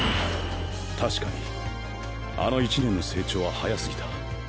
確かにあの一年の成長は早すぎた。